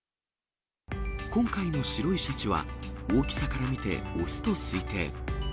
今回の白いシャチは、大きさから見て、雄と推定。